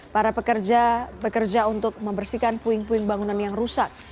para pekerja bekerja untuk membersihkan puing puing bangunan yang rusak